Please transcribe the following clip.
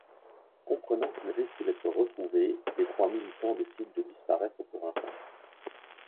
Comprenant qu'ils risquent d'être retrouvés, les trois militants décident de disparaître pour un temps.